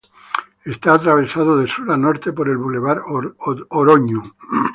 Está atravesado de sur a norte por el Bulevar Oroño.